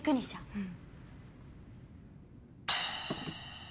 うん。